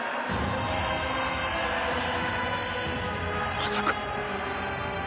まさか。